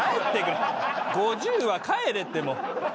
５０は帰れってもう。